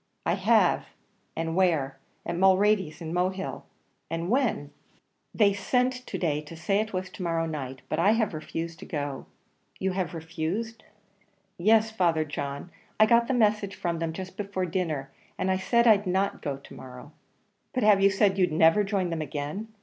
"I have." "And where?" "At Mulready's in Mohill." "And when?" "They sent to day to say it was to morrow night, but I have refused to go." "You have refused?" "Yes, Father John. I got the message from them just before dinner, and I said I'd not go to morrow." "But have you said you'd never join them again?